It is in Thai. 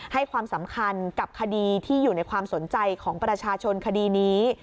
ให้ความสำคัญกับคดีที่อยู่ในความสนใจของประชาชนคดีนี้